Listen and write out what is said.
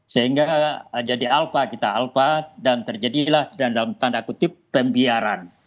sehingga jadi alpha kita alfa dan terjadilah dan dalam tanda kutip pembiaran